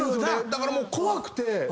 だからもう怖くて。